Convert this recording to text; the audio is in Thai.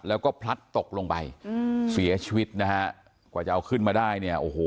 แล้วก็พลัดตกลงไปอืมเสียชีวิตนะฮะกว่าจะเอาขึ้นมาได้เนี่ยโอ้โห